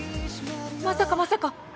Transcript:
まさかまさか？